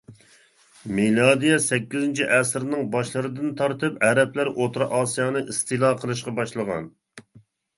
مىلادىيە سەككىزىنچى ئەسىرنىڭ باشلىرىدىن تارتىپ ئەرەبلەر ئوتتۇرا ئاسىيانى ئىستىلا قىلىشقا باشلىغان.